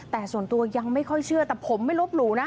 แต่ส่วนตัวยังไม่ค่อยเชื่อแต่ผมไม่ลบหลู่นะ